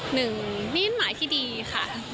หนึ่งมิ้นท์หมายที่ดีค่ะ